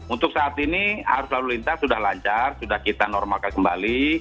untuk saat ini arus lalu lintas sudah lancar sudah kita normalkan kembali